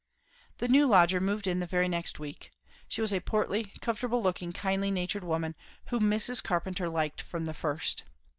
The new lodger moved in the very next week. She was a portly, comfortable looking, kindly natured woman, whom Mrs. Carpenter liked from the first.